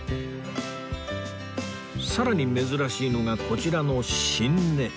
さらに珍しいのがこちらの心根